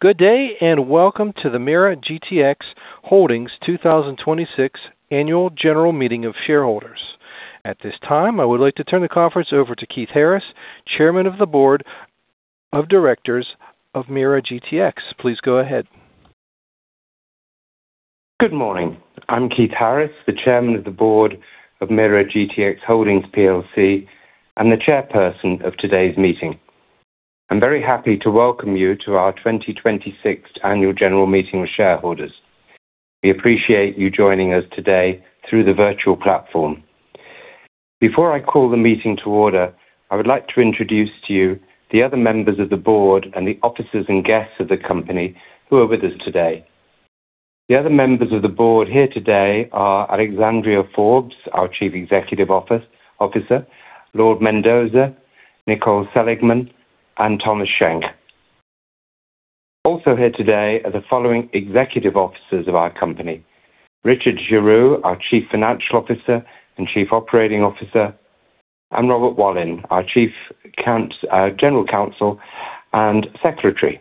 Good day, welcome to the MeiraGTx Holdings 2026 Annual General Meeting of Shareholders. At this time, I would like to turn the conference over to Keith Harris, Chairman of the Board of Directors of MeiraGTx. Please go ahead. Good morning. I'm Keith Harris, the Chairman of the Board of MeiraGTx Holdings plc, the Chairperson of today's meeting. I'm very happy to welcome you to our 2026 Annual General Meeting of Shareholders. We appreciate you joining us today through the virtual platform. Before I call the meeting to order, I would like to introduce to you the other members of the board and the officers and guests of the company who are with us today. The other members of the board here today are Alexandria Forbes, our Chief Executive Officer, Lord Mendoza, Nicole Seligman, and Thomas Shenk. Also here today are the following executive officers of our company, Richard Giroux, our Chief Financial Officer and Chief Operating Officer, and Robert Wollin, our General Counsel and Secretary.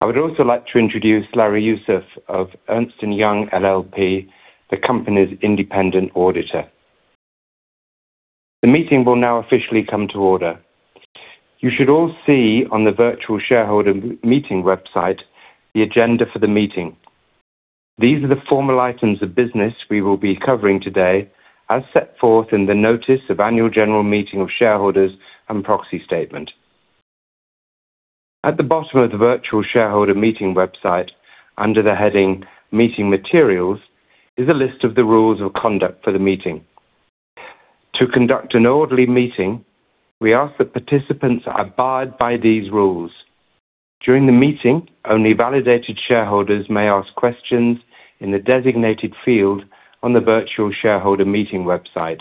I would also like to introduce Larry Youssef of Ernst & Young LLP, the company's independent auditor. The meeting will now officially come to order. You should all see on the virtual shareholder meeting website the agenda for the meeting. These are the formal items of business we will be covering today as set forth in the notice of annual general meeting of shareholders and proxy statement. At the bottom of the virtual shareholder meeting website, under the heading Meeting Materials, is a list of the rules of conduct for the meeting. To conduct an orderly meeting, we ask that participants abide by these rules. During the meeting, only validated shareholders may ask questions in the designated field on the virtual shareholder meeting website.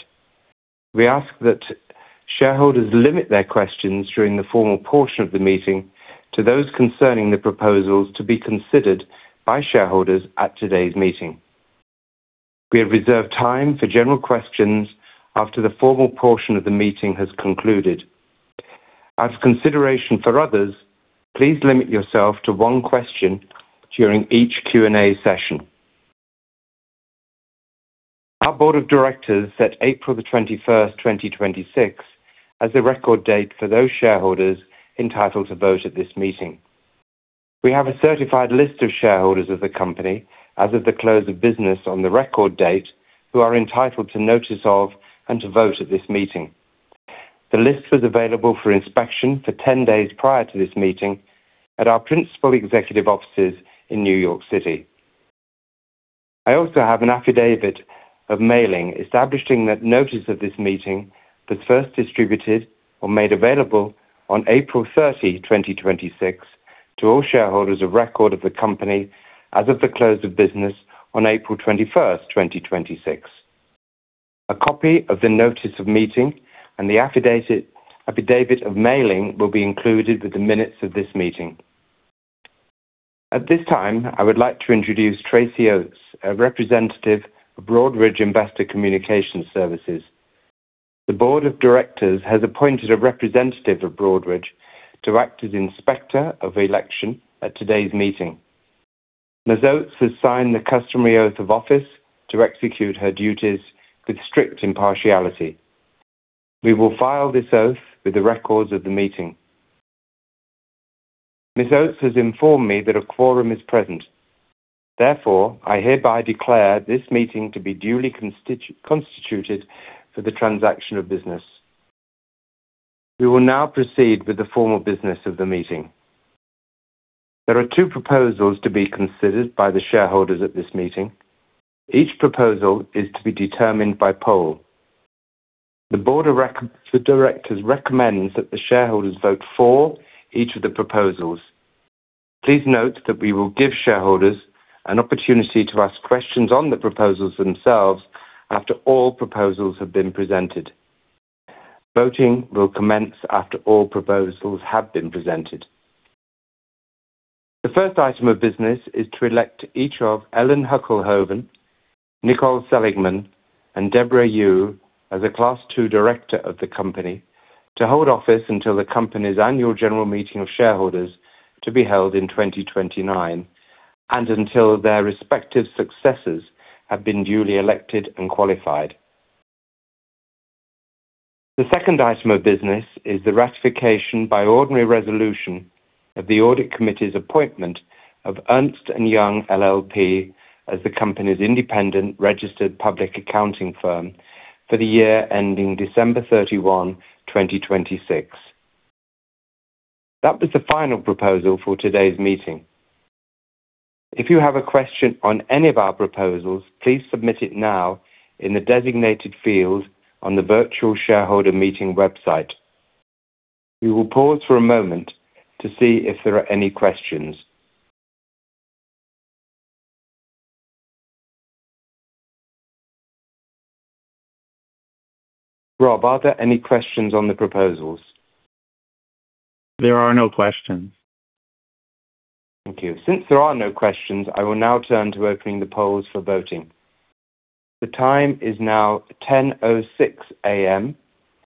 We ask that shareholders limit their questions during the formal portion of the meeting to those concerning the proposals to be considered by shareholders at today's meeting. We have reserved time for general questions after the formal portion of the meeting has concluded. As consideration for others, please limit yourself to one question during each Q&A session. Our board of directors set April 21st, 2026, as the record date for those shareholders entitled to vote at this meeting. We have a certified list of shareholders of the company as of the close of business on the record date who are entitled to notice of and to vote at this meeting. The list was available for inspection for 10 days prior to this meeting at our principal executive offices in New York City. I also have an affidavit of mailing establishing that notice of this meeting was first distributed or made available on April 30, 2026, to all shareholders of record of the company as of the close of business on April 21st, 2026. A copy of the notice of meeting and the affidavit of mailing will be included with the minutes of this meeting. At this time, I would like to introduce Tracy Oates, a representative of Broadridge Investor Communication Solutions. The board of directors has appointed a representative of Broadridge to act as inspector of election at today's meeting. Ms. Oates has signed the customary oath of office to execute her duties with strict impartiality. We will file this oath with the records of the meeting. Ms. Oates has informed me that a quorum is present. I hereby declare this meeting to be duly constituted for the transaction of business. We will now proceed with the formal business of the meeting. There are two proposals to be considered by the shareholders at this meeting. Each proposal is to be determined by poll. The board of directors recommends that the shareholders vote for each of the proposals. Please note that we will give shareholders an opportunity to ask questions on the proposals themselves after all proposals have been presented. Voting will commence after all proposals have been presented. The first item of business is to elect each of Ellen Hukkelhoven, Nicole Seligman, and Debra Yu as a Class 2 director of the company to hold office until the company's annual general meeting of shareholders to be held in 2029, and until their respective successors have been duly elected and qualified. The second item of business is the ratification by ordinary resolution of the audit committee's appointment of Ernst & Young LLP as the company's independent registered public accounting firm for the year ending December 31, 2026. That was the final proposal for today's meeting. If you have a question on any of our proposals, please submit it now in the designated field on the virtual shareholder meeting website. We will pause for a moment to see if there are any questions. Rob, are there any questions on the proposals? There are no questions. Thank you. Since there are no questions, I will now turn to opening the polls for voting. The time is now 10:06 A.M.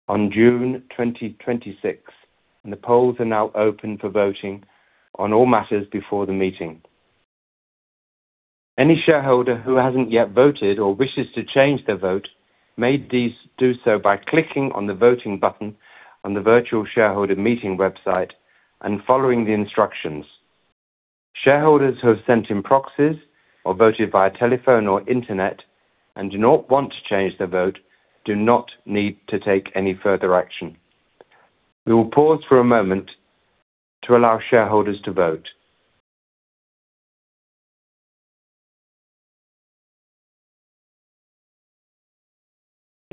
on June 2026, and the polls are now open for voting on all matters before the meeting. Any shareholder who hasn't yet voted or wishes to change their vote may do so by clicking on the voting button on the virtual shareholder meeting website and following the instructions. Shareholders who have sent in proxies or voted via telephone or internet and do not want to change their vote do not need to take any further action. We will pause for a moment to allow shareholders to vote.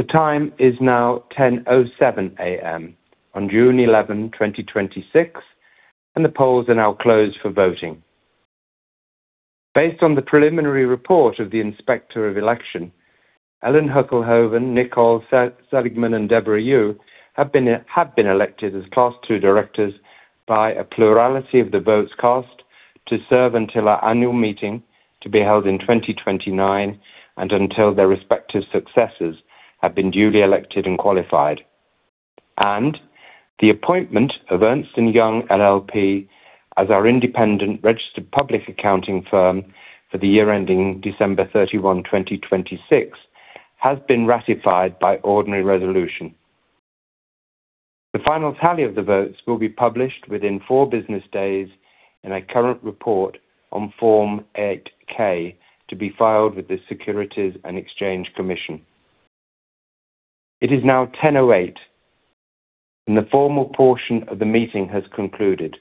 The time is now 10:07 A.M. on June 11, 2026, and the polls are now closed for voting. Based on the preliminary report of the Inspector of Election, Ellen Hukkelhoven, Nicole Seligman, and Debra Yu have been elected as Class Two directors by a plurality of the votes cast to serve until our annual meeting to be held in 2029 and until their respective successors have been duly elected and qualified. The appointment of Ernst & Young LLP as our independent registered public accounting firm for the year ending December 31, 2026, has been ratified by ordinary resolution. The final tally of the votes will be published within four business days in a current report on Form 8-K to be filed with the Securities and Exchange Commission. It is now 10:08 A.M., and the formal portion of the meeting has concluded.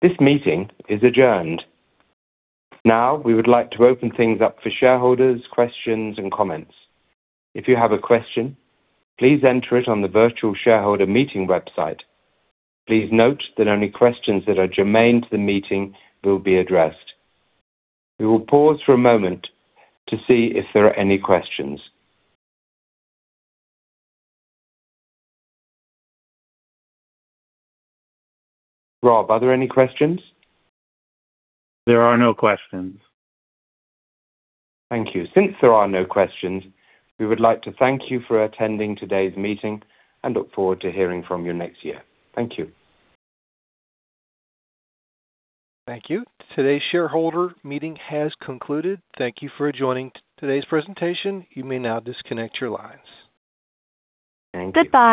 This meeting is adjourned. Now, we would like to open things up for shareholders' questions and comments. If you have a question, please enter it on the virtual shareholder meeting website. Please note that only questions that are germane to the meeting will be addressed. We will pause for a moment to see if there are any questions. Rob, are there any questions? There are no questions. Thank you. Since there are no questions, we would like to thank you for attending today's meeting and look forward to hearing from you next year. Thank you. Thank you. Today's shareholder meeting has concluded. Thank you for joining today's presentation. You may now disconnect your lines. Thank you. Goodbye